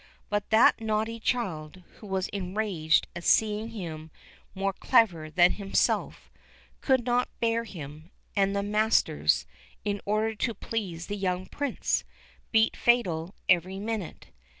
But that naughty child, who was enraged at seeing him more clever than himself, could not bear him, and the masters, in order to please the young Prince, beat Fatal every minute.